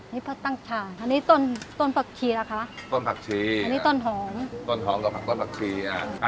นี่ผักตั้งฉาอันนี้ต้นต้นผักชีล่ะคะต้นผักชีอันนี้ต้นหอมต้นหอมเราผักต้นผักชี